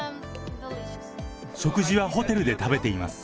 食事はホテルで食べています。